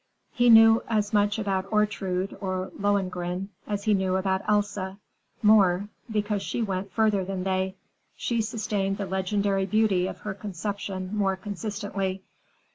He knew as much about Ortrude or Lohengrin as he knew about Elsa—more, because she went further than they, she sustained the legendary beauty of her conception more consistently.